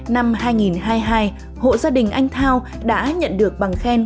năm hai nghìn hai mươi hai hộ gia đình anh thao đã nhận được bằng khen